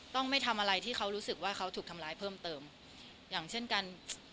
ต้องไม่ทำอะไรที่เขารู้สึกว่าเขาถูกทำร้ายเพิ่มเติมอย่างเช่นกัน